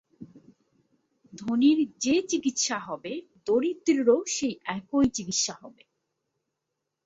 ধনীর যে-চিকিৎসা হবে, দরিদ্রেরও সেই একই চিকিৎসা হবে।